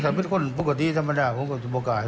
สำนักผู้คนปกติธรรมดาแล้วผมมีช่วงโปรกราย